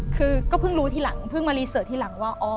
คือก็เพิ่งรู้ทีหลังเพิ่งมารีเสิร์ตทีหลังว่า